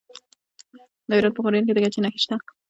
د هرات په غوریان کې د ګچ نښې شته.